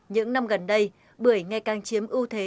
những năm gần đây bưởi ngày càng chiếm ưu thế